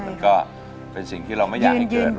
มันก็เป็นสิ่งที่เราไม่อยากให้เกิด